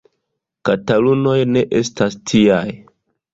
Katalunoj ne estas tiaj.